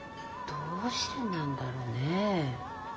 どうしてなんだろうね？